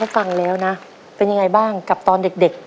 ฟังแล้วนะเป็นยังไงบ้างกับตอนเด็ก